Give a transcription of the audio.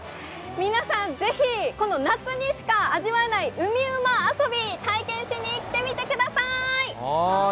皆さん、ぜひ、夏にしか味わえない海馬遊び、体験しにきてください。